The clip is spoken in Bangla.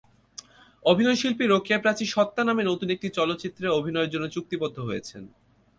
অভিনয়শিল্পী রোকেয়া প্রাচী সত্তা নামে নতুন একটি চলচ্চিত্রে অভিনয়ের জন্য চুক্তিবদ্ধ হয়েছেন।